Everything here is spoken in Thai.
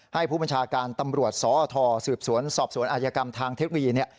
ให้ผู้บัญชาการตำรวจสอทสืบสวนสอบสวนอายกรรมทางเทคโนโลยีเนี่ย